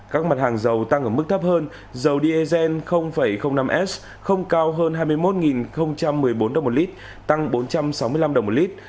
các mặt hàng dầu tăng ở mức thấp hơn dầu diesel năm s không cao hơn hai mươi một một mươi bốn đồng một lít tăng bốn trăm sáu mươi năm đồng một lít